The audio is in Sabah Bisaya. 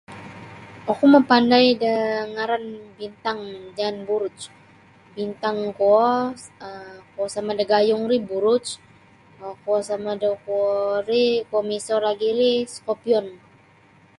Oku mapandai da ngaran bintang jaan buruj bintang kuo um kuo sama da gayung ri buruj kuo sama da kuo ri kuo miso lagi' ri Scorpion.